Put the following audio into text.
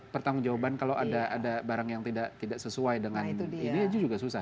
pertanggung jawaban kalau ada barang yang tidak sesuai dengan ini aja juga susah